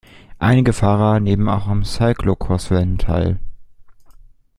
Einige Fahrer nehmen auch an Cyclocross-Rennen teil.